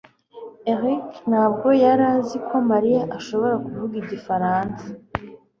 eric ntabwo yari azi ko mariya ashobora kuvuga igifaransa